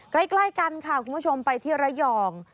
ใกล้กันค่ะคุณผู้ชมไปที่ระยอง